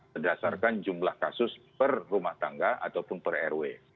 berdasarkan jumlah kasus per rumah tangga ataupun per rw